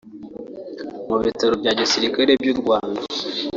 mu Bitaro bya Gisirikare by’u Rwanda